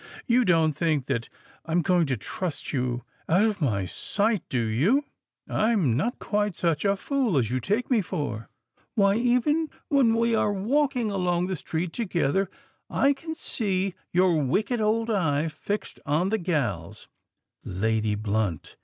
"You don't think that I'm going to trust you out of my sight, do you now? I'm not quite such a fool as you take me for. Why, even when we are walking along the street together, I can see your wicked old eye fixed on the gals——" "Lady Blunt!"